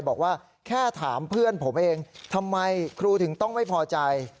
บอกว่าแค่ถามเพื่อนผมเองทำไมครูถึงต้องไม่พอใจ